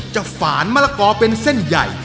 ฝานมะละกอเป็นเส้นใหญ่